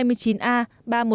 đi khỏi trụ sở